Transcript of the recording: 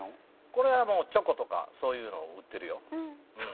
これはチョコとかそういうの売ってるよ。